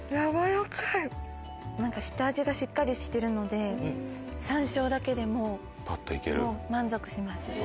何か下味がしっかりしてるので山椒だけでもう満足します。